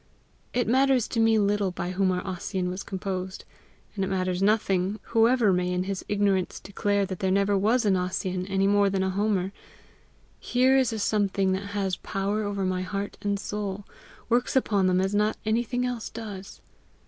It matters to me little by whom our Ossian was composed, and it matters nothing whoever may in his ignorance declare that there never was an Ossian any more than a Homer: here is a something that has power over my heart and soul, works upon them as not anything else does.